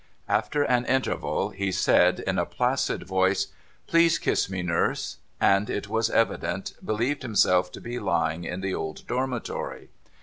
After an interval he said, in a placid voice, ' Please kiss me, Nurse,' and, it was evident, believed himself to be lying in the old Dormitory.